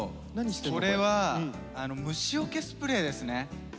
これは虫よけスプレーですね。